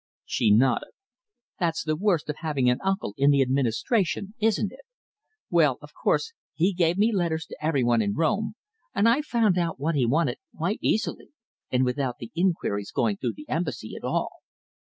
She nodded. "That's the worst of having an uncle in the Administration, isn't it? Well, of course, he gave me letters to every one in Rome, and I found out what he wanted quite easily, and without the inquiries going through the Embassy at all.